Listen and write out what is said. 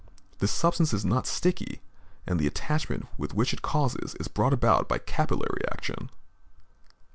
This substance is not sticky, and the attachment which it causes is brought about by capillary attraction.